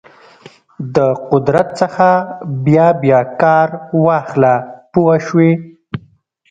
د قدرت څخه بیا بیا کار واخله پوه شوې!.